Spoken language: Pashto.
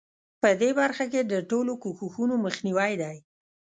په دې برخه کې د ټولو کوښښونو مخنیوی دی.